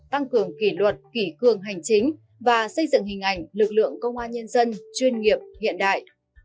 tăng cường kỷ luật kỷ cường hành chính và xây dựng hình ảnh lực lượng công an nhân dân chuyên nghiệp hiện đại